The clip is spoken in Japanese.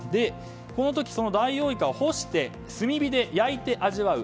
この時そのダイオウイカを干して炭火で焼いて味わう